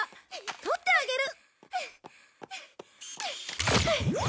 撮ってあげる。